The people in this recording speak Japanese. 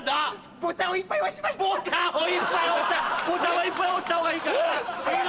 ボタンはいっぱい押したほうがいいからな！